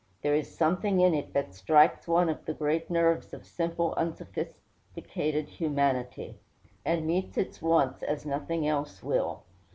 There is something in it that strikes one of the great nerves of simple, unsophisticated humanity, and meets its wants as nothing else will.